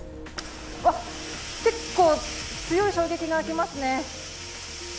わっ、結構、強い衝撃がきますね。